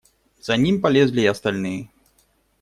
За ним полезли и остальные.